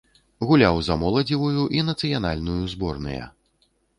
Гуляў за моладзевую і нацыянальную зборныя.